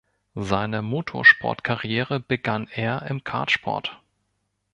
Seine Motorsportkarriere begann er im Kartsport.